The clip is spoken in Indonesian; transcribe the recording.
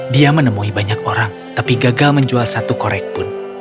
dia menemui banyak orang tapi gagal menjual satu korek pun